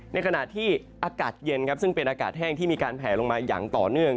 ในขณะที่อากาศเย็นครับซึ่งเป็นอากาศแห้งที่มีการแผลลงมาอย่างต่อเนื่อง